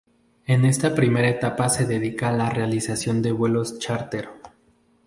En esta primera etapa se dedica a la realización de vuelos chárter.